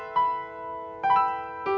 sampai jumpa lagi